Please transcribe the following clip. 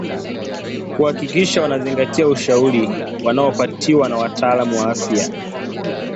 kuhakikisha wanazingatia ushauri wanaopatiwa na wataalamu wa afya